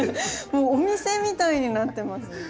もうお店みたいになってますね。